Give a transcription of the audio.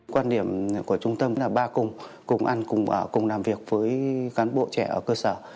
quan điểm của trung tâm là ba cùng cùng ăn cùng làm việc với cán bộ trẻ ở cơ sở